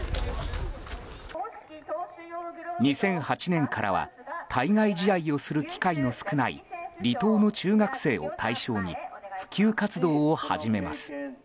２００８年からは対外試合をする機会の少ない離島の中学生を対象に普及活動を始めます。